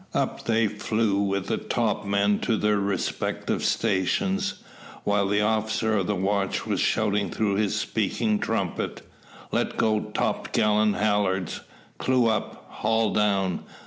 Up they flew with the topmen to their respective stations, while the officer of the watch was shouting through his speaking trumpet. "Let go topgallant halyards. Clew up, haul down."